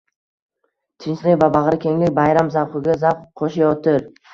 Tinchlik va bag‘rikenglik bayram zavqiga zavq qo‘shayotir